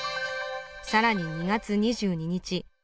さらに２月２２日